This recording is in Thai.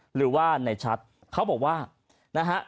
หรือว่าในชัดเขาบอกว่านะฮะ